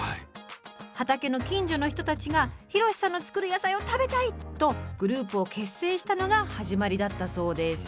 畑の近所の人たちが博四さんの作る野菜を食べたいとグループを結成したのが始まりだったそうです。